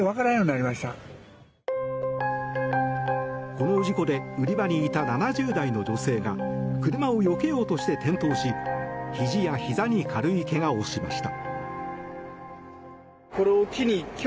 この事故で売り場にいた７０代の女性が車をよけようとして転倒しひじやひざに軽いけがをしました。